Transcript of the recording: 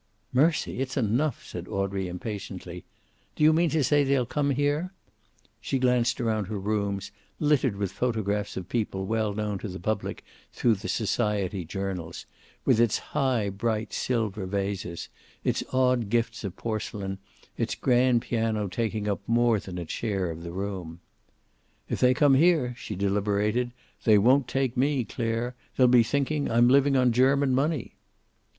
"Mercy! It's enough," said Audrey, impatiently. "Do you mean to say they'll come here?" She glanced around her rooms, littered with photographs of people well known to the public through the society journals, with its high bright silver vases, its odd gifts of porcelain, its grand piano taking up more than its share of room. "If they come here," she deliberated, "they won't take me, Clare. They'll be thinking I'm living on German money!"